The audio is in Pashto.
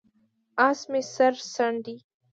اس مې سر څنډي،